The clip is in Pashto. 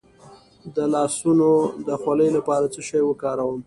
د لاسونو د خولې لپاره څه شی وکاروم؟